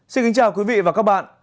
xin kính chào quý vị và các bạn